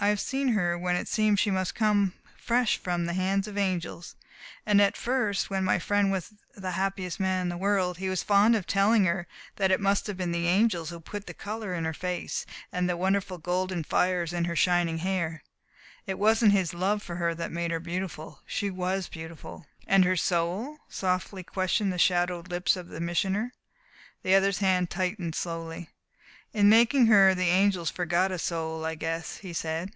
I have seen her when it seemed she must have come fresh from the hands of angels; and at first, when my friend was the happiest man in the world, he was fond of telling her that it must have been the angels who put the colour in her face and the wonderful golden fires in her shining hair. It wasn't his love for her that made her beautiful. She was beautiful." "And her soul?" softly questioned the shadowed lips of the Missioner. The other's hand tightened slowly. "In making her the angels forgot a soul, I guess," he said.